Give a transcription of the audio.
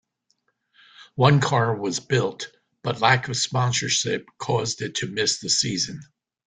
One car was built, but lack of sponsorship caused it to miss the season.